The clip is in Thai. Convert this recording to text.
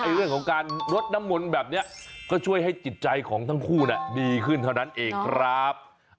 เรื่องของการรดน้ำมนต์แบบนี้ก็ช่วยให้จิตใจของทั้งคู่ดีขึ้นเท่านั้นเองครับ